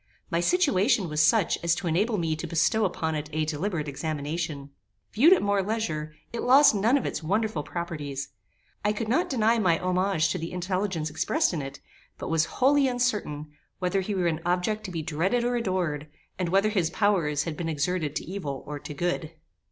My situation was such as to enable me to bestow upon it a deliberate examination. Viewed at more leisure, it lost none of its wonderful properties. I could not deny my homage to the intelligence expressed in it, but was wholly uncertain, whether he were an object to be dreaded or adored, and whether his powers had been exerted to evil or to good.